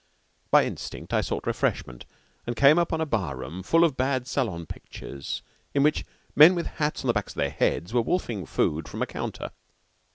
By instinct I sought refreshment, and came upon a barroom full of bad Salon pictures in which men with hats on the backs of their heads were wolfing food from a counter.